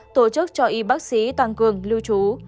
tổ chức cho y bác sĩ tăng cường lưu trú